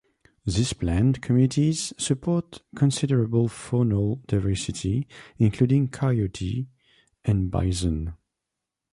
These plant communities support considerable faunal diversity, including coyote and bison.